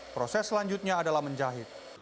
proses selanjutnya adalah menjahit